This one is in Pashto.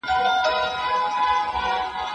هغې په پښتو ژبه یو ښکلی شعر ولیکه.